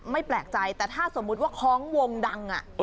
แปลกใจแต่ถ้าสมมุติว่าคล้องวงดัง